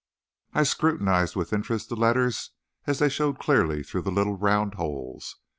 I scrutinized with interest the letters as they showed clearly through the little round holes.